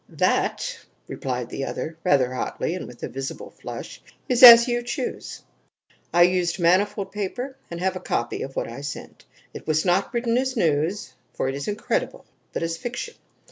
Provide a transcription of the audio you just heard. "That," replied the other, rather hotly and with a visible flush, "is as you choose. I used manifold paper and have a copy of what I sent. It was not written as news, for it is incredible, but as fiction.